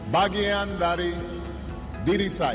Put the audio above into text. bagian dari diri saya